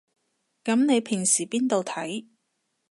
噉你平時邊度睇